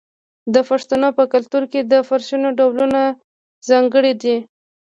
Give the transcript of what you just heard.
د پښتنو په کلتور کې د فرشونو ډولونه ځانګړي دي.